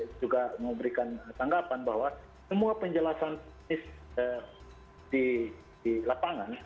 yang kami juga memberikan tanggapan bahwa semua penjelasan fisik di lapangan